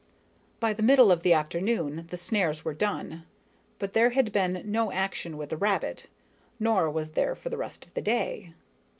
By the middle of the afternoon the snares were done, but there had been no action with the rabbit, nor was there for the rest of the day.